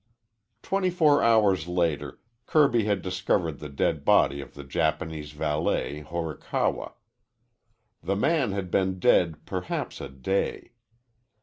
Twenty four hours later Kirby had discovered the dead body of the Japanese valet Horikawa. The man had been dead perhaps a day.